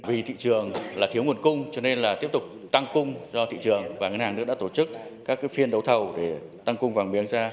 vì thị trường là thiếu nguồn cung cho nên là tiếp tục tăng cung do thị trường và ngân hàng nước đã tổ chức các phiên đấu thầu để tăng cung vàng miếng ra